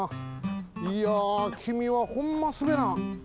いやきみはホンマすべらん。